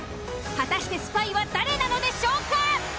果たしてスパイは誰なのでしょうか？